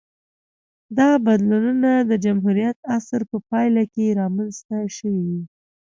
دا بدلونونه د جمهوریت عصر په پایله کې رامنځته شوې وې